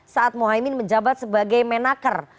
saat mohaimin menjabat sebagai menaker